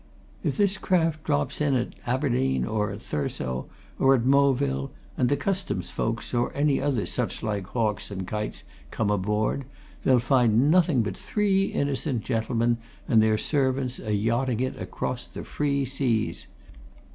"If this craft drops in at Aberdeen, or at Thurso, or at Moville, and the Customs folks or any other such like hawks and kites come aboard, they'll find nothing but three innocent gentlemen and their servants a yachting it across the free seas.